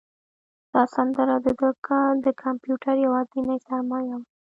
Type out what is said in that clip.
دا سندره د ده د کمپیوټر یوازینۍ سرمایه وه.